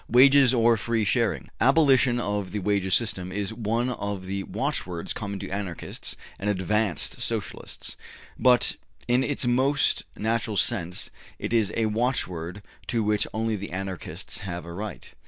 Wages or Free Sharing? ``Abolition of the wages system'' is one of the watchwords common to Anarchists and advanced Socialists. But in its most natural sense it is a watchword to which only the Anarchists have a right.